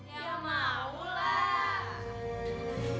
ayo bawa rekih semangat écrit dunia